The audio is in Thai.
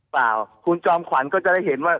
เปล่าคุณจอมขวัญก็จะได้เห็นว่า